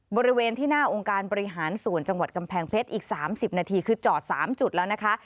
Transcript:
บริเวณที่หน้าองค์การบริหารส่วนจังหวัดกำแพงเพชรอีก๓๐นาทีคือจอด๓จุดแล้วนะคะ